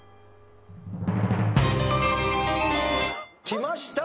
きました。